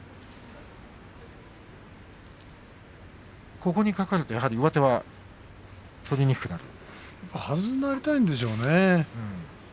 ここにかかると上手ははずになりたいんでしょうね。